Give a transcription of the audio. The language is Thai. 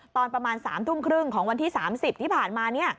ตอนประมาณ๓ทุ่มครึ่งของวันที่๓๐ที่ผ่านมา